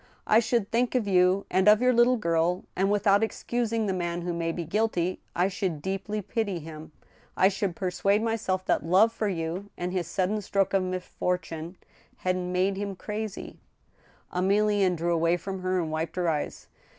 I should think of you and of your little girl, and, without excusing the man who may be guilty, I should deeply pity him. I should persuade myself that love for you and his sudden stroke of misfortune had made him crazy." Emilienne drew away from her, and wiped her eyes.